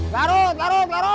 tarut tarut tarut